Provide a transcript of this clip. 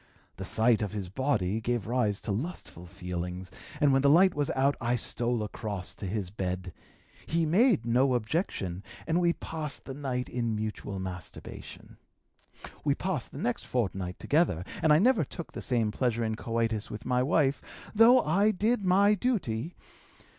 The sight of his body gave rise to lustful feelings, and when the light was out I stole across to his bed. He made no objection, and we passed the night in mutual masturbation. We passed the next fortnight together, and I never took the same pleasure in coitus with my wife, though I did my duty.